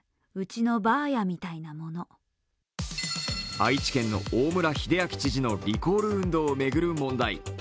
愛知県の大村秀章知事のリコール問題を巡る問題。